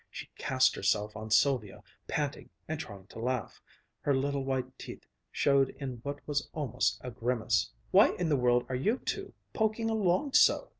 She cast herself on Sylvia, panting and trying to laugh. Her little white teeth showed in what was almost a grimace. "Why in the world are you two poking along so?"